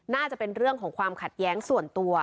น่าจะเป็นเรื่องของความขาดใจของพวกเขานะครับ